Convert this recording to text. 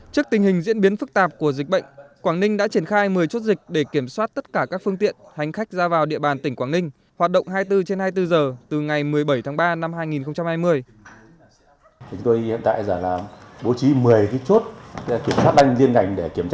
trước tình hình diễn biến phức tạp của dịch bệnh quảng ninh đã triển khai một mươi chốt dịch để kiểm soát tất cả các phương tiện hành khách ra vào địa bàn tỉnh quảng ninh hoạt động hai mươi bốn trên hai mươi bốn giờ từ ngày một mươi bảy tháng ba năm hai nghìn hai mươi